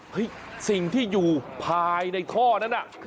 สิ่งที่อยู่ภายในท่อนั้นน่ะ